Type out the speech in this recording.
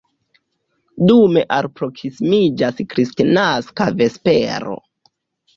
Dume alproksimiĝas kristnaska vespero.